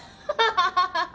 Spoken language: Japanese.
ハハハハ！